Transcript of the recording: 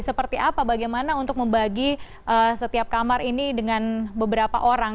seperti apa bagaimana untuk membagi setiap kamar ini dengan beberapa orang